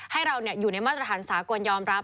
ให้เราอยู่ในมาตรฐานสากลยอมรับ